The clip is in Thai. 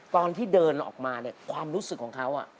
ตอนที่เดินออกมาเนี่ยความรู้สึกของเขา